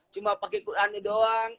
cuma pakai qur'an doang